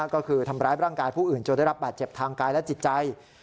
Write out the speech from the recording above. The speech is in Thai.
ก็คือทำร้ายร่างกายผู้อื่นจนได้รับบาดเจ็บทางกายและจิตใจ